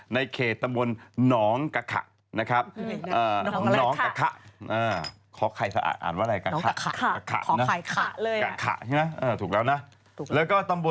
ในเขตตำบลหนองกะขะนะครับ